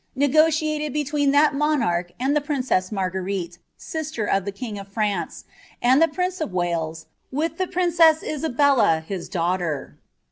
negotiated between iJist aoMlit and Ihe princess Marguerite, sister of the king of Fnutce, uul the pliW »f Wales, with the princess Isabella his dauirhler.